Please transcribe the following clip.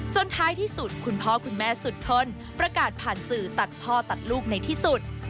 ท้ายที่สุดคุณพ่อคุณแม่สุดทนประกาศผ่านสื่อตัดพ่อตัดลูกในที่สุด